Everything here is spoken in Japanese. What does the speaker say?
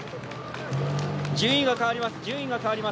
順位が変わります。